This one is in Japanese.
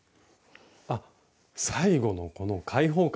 あ最後のこの開放感！